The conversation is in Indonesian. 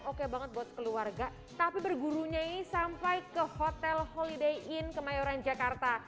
oke banget buat keluarga tapi bergurunya ini sampai ke hotel holiday in kemayoran jakarta